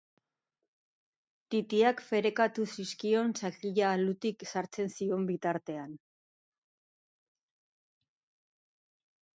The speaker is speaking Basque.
Titiak ferekatu zizkion sakila alutik sartzen zion bitartean.